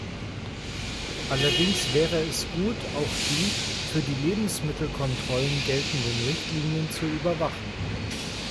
Allerdings wäre es gut, auch die für die Lebensmittelkontrollen geltenden Richtlinien zu überwachen.